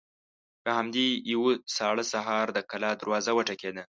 په همداسې يوه ساړه سهار د کلا دروازه وټکېده.